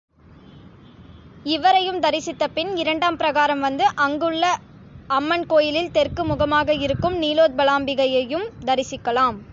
இவரையும் தரிசித்தபின் இரண்டாம் பிரகாரம் வந்து அங்குள்ள அம்மன் கோயிலில் தெற்கு முகமாக இருக்கும் நீலோத்பலாம்பிகையையும் தரிசிக்கலாம்.